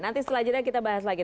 nanti setelah jeda kita bahas lagi